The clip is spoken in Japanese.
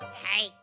はい。